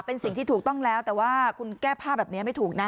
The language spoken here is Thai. เป็นสิ่งที่ถูกต้องแล้วแต่ว่าคุณแก้ผ้าแบบนี้ไม่ถูกนะ